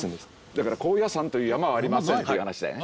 だから高野山という山はありませんっていう話だよね。